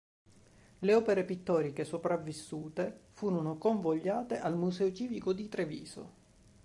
Le opere pittoriche sopravvissute furono convogliate al Museo Civico di Treviso.